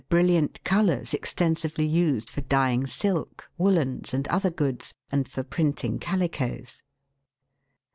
brilliant colours extensively used for dyeing silk, woollens, and other goods, and for printing calicoes.